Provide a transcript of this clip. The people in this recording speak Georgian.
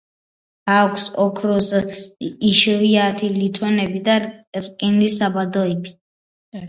აქვს ოქროს, იშვიათი ლითონებისა და რკინის საბადოები.